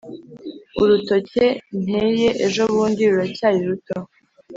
“urutoke nteye ejobundi ruracyari ruto